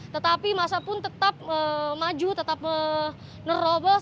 tetapi masa pun tetap maju tetap menerobos